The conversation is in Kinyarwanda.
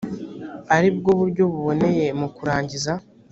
ari bwo buryo buboneye mu kurangiza